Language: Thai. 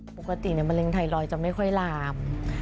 ปกติมะเร็งไทรอยด์จะไม่ค่อยลาม